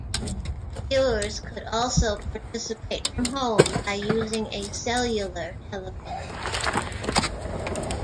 Viewers could also participate from home, by using a cellular telephone.